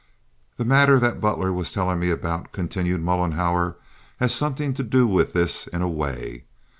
"The matter that Butler was telling me about," continued Mollenhauer, "has something to do with this in a way.